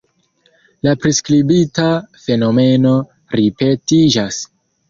La priskribita fenomeno ripetiĝas.